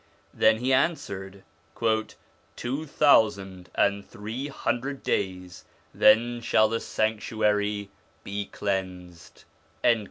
Then he answered, ' Two thousand and three hundred days ; then shall the sanctuary be cleansed.'